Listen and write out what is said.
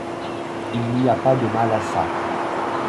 Il n’y a pas de mal à ça.